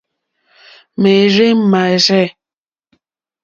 Máɛ́rzɛ̀ mâ rzɛ̂.